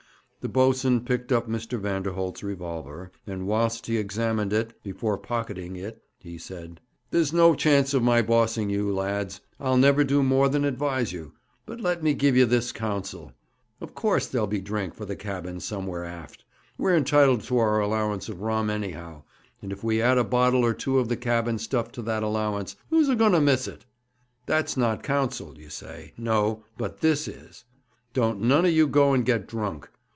The boatswain picked up Mr. Vanderholt's revolver, and, whilst he examined it, before pocketing it, he said: 'There's no chance of my bossing you, lads. I'll never do more than advise you. But let me give you this counsel: of course there'll be drink for the cabin somewhere aft. We're entitled to our allowance of rum, anyhow, and if we add a bottle or two of the cabin stuff to that allowance, who's a going to miss it? That's not counsel, you say no, but this is: don't none of you go and get drunk.